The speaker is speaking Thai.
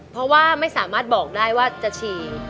เพราะว่าไม่สามารถบอกได้ว่าจะฉี่